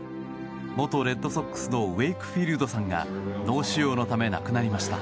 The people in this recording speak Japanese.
元レッドソックスのウェイクフィールドさんが脳腫瘍のため、亡くなりました。